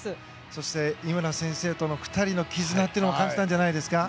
そして井村先生との２人の絆も感じたんじゃないんですか。